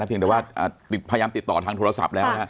นับเพียงแต่ว่าอ่าติดพยายามติดต่อทางโทรศัพท์แล้วค่ะ